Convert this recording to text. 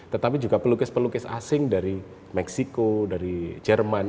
tetapi juga pelukis pelukis asing dari meksiko dari jerman